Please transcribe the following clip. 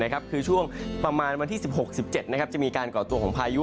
คือช่วงประมาณวันที่๑๖๑๗จะมีการก่อตัวของพายุ